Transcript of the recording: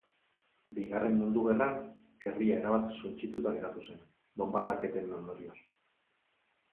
Bigarren Mundu Gerran, herria erabat suntsituta geratu zen, bonbardaketen ondorioz.